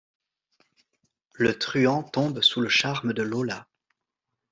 Le truand tombe sous le charme de Lola.